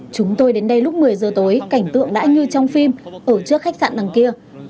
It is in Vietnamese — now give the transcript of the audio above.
chúng tôi đến đây lúc một mươi giờ tối cảnh tượng đã như trong phim ở trước khách sạn đằng kia